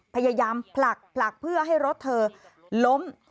พยายามผลักผลักเพื่อให้รถเธอล้ม